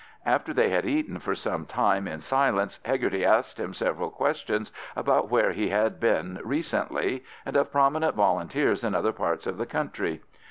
After they had eaten for some time in silence, Hegarty asked him several questions about where he had been recently, and of prominent Volunteers in other parts of the country.